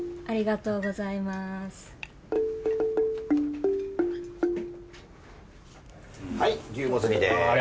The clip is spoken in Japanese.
ありがとうございます。